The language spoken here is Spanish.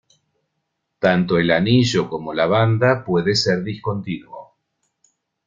Tanto el anillo como la banda puede ser discontinuo.